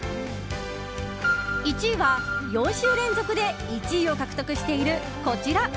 １位は、４週連続で１位を獲得しているこちら。